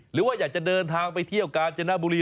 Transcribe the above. หรือว่าอยากจะเดินทางไปเที่ยวกาญจนบุรี